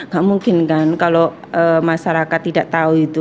gak mungkin kan kalau masyarakat tidak tahu itu